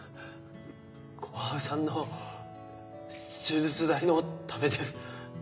小春さんの手術代のためでフ。